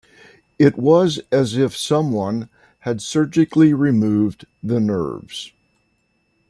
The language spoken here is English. It was as if someone had surgically removed the nerves.